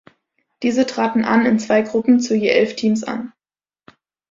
Diese traten an in zwei Gruppen zu je elf Teams an.